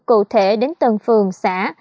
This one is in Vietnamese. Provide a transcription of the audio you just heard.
cụ thể đến tầng phường xã